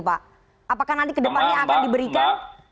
apakah nanti ke depannya akan diberikan